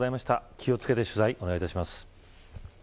気を付けて取材をお願いします。